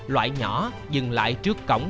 loại nhỏ dừng lại trước cổng